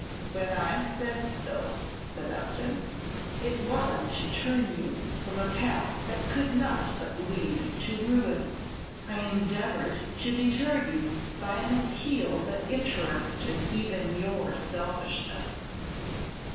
"When I said so," said Upton, "it was to turn you from a path that could not but lead to ruin; I endeavored to deter you by an appeal that interested even your selfishness."